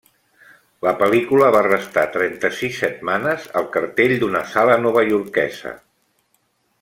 La pel·lícula va restar trenta-sis setmanes al cartell d'una sala novaiorquesa.